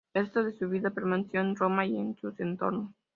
El resto de su vida permaneció en Roma y en sus entornos.